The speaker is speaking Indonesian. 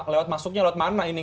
lewat masuknya lewat mana ini